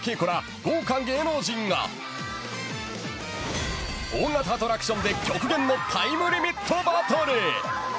豪華芸能人が大型アトラクションで極限のタイムリミットバトル。